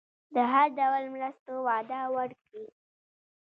د هر ډول مرستو وعده ورکړي.